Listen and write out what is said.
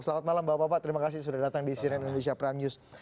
selamat malam bapak bapak terima kasih sudah datang di siren indonesia prime news